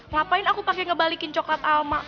ngapain aku pakai ngebalikin coklat alma